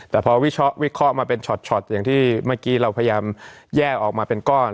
แต่พอวิเคราะห์วิเคราะห์มาเป็นช็อตอย่างที่เมื่อกี้เราพยายามแยกออกมาเป็นก้อน